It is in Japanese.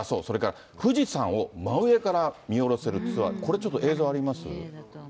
それから、富士山を真上から見下ろせるツアー、これちょっと映像あります？